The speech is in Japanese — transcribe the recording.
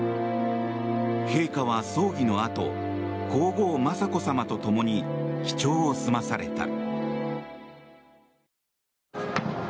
陛下は葬儀のあと皇后・雅子さまとともに記帳を済まされた。